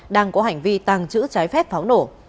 đang có hành vi tàng trữ trái phép pháo nổ